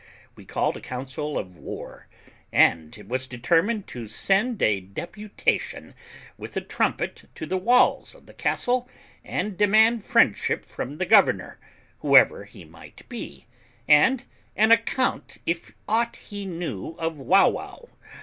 We called a council of war, and it was determined to send a deputation with a trumpet to the walls of the castle, and demand friendship from the governor, whoever he might be, and an account if aught he knew of Wauwau.